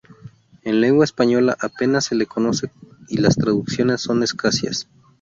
En lengua española apenas se le conoce y las traducciones son escasas.